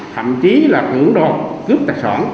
thậm chí là tưởng đột cướp tài sản